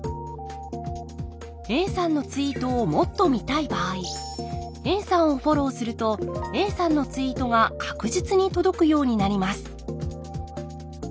Ａさんのツイートをもっと見たい場合ＡさんをフォローするとＡさんのツイートが確実に届くようになります